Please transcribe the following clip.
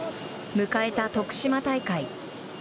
迎えた徳島大会。